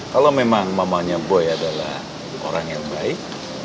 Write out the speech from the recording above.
kalau memang mamanya boy adalah orang yang baik